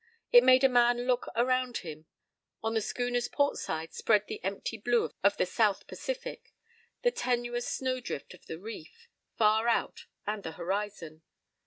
It made a man look around him. On the schooner's port side spread the empty blue of the South Pacific; the tenuous snowdrift of the reef, far out, and the horizon.